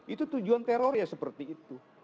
itu tujuan teror ya seperti itu